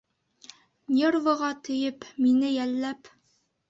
Нервыға тейеп, мине йәлләп.